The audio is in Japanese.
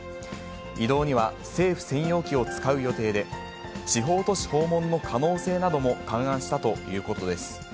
移動には政府専用機を使う予定で、地方都市訪問の可能性なども勘案したということです。